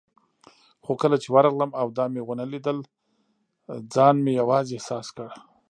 خو کله چې ورغلم او دا مې ونه لیدل، ځان مې یوازې احساس کړ.